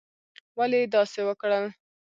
ولي یې داسي وکړل؟